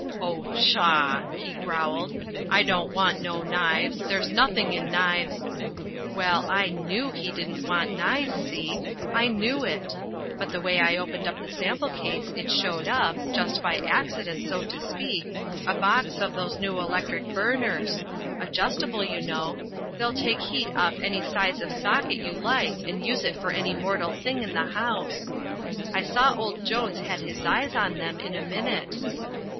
"Oh, pshaw," he growled, "I don't want no knives; there's nothing in knives " Well I knew he didn't want knives, see? I knew it. But the way I opened up the sample case it showed up, just by accident so to speak, a box of those new electric burners adjustable, you know they'll take heat off any size of socket you like and use it for any mortal thing in the house. I saw old Jones had his eyes on them in a minute.